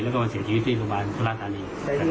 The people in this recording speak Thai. แล้วก็มาเสียชีวิตที่โรงพยาบาลสุราธานี